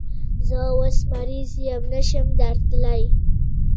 زه اوس مریض یم، نشم درتلای